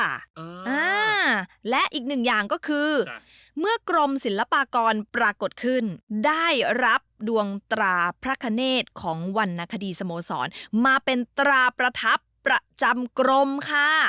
อ่าและอีกหนึ่งอย่างก็คือเมื่อกรมศิลปากรปรากฏขึ้นได้รับดวงตราพระคเนธของวรรณคดีสโมสรมาเป็นตราประทับประจำกรมค่ะ